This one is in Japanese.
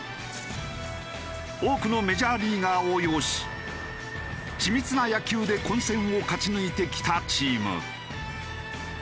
多くのメジャーリーガーを擁し緻密な野球で混戦を勝ち抜いてきたチーム。